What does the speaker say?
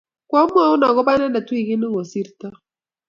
koamwoun akobo inendet wikit ne kosirtoi